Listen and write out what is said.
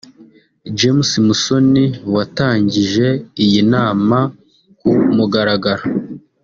James Musoni watangije iyi nama ku mugaragaro